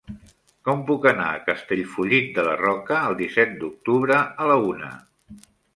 Com puc anar a Castellfollit de la Roca el disset d'octubre a la una?